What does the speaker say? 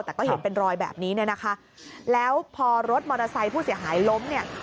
แต่ก็เห็นเป็นรอยแบบนี้เนี่ยนะคะแล้วพอรถมอเตอร์ไซค์ผู้เสียหายล้มเนี่ย